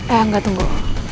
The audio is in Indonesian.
eh gak tunggu